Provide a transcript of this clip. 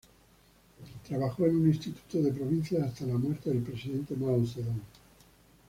Trabajó en un instituto de provincias hasta la muerte del presidente Mao Zedong.